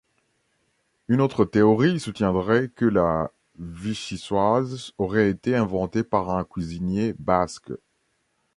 Une autre théorie soutiendrait que la vichyssoise aurait été inventée par un cuisinier basque.